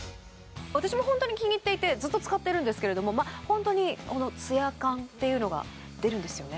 私も本当に気に入っていてずっと使っているんですけれども本当にこのツヤ感っていうのが出るんですよね